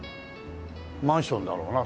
マンションだろうな。